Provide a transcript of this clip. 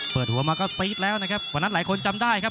เปิดหัวมาก็ซีดแล้วนะครับวันนั้นหลายคนจำได้ครับ